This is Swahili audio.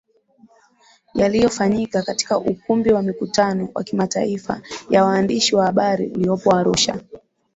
yaliyofanyika katika ukumbi wa mikutano wa kimataifa ya waandishi wa habari uliopo Arusha